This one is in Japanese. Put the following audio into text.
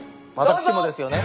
私もですよね？